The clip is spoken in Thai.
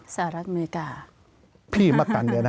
สหรัฐอเมริกา